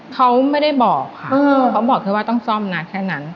เขาไม่ได้บอกค่ะเขาบอกแค่ว่าต้องซ่อมนะแค่นั้น